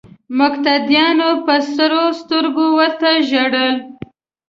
مقتدیانو په سرو سترګو ورته ژړل.